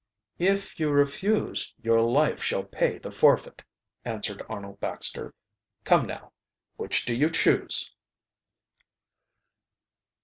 "If you refuse your life shall pay the forfeit," answered Arnold Baxter. "Come now, which do you choose?"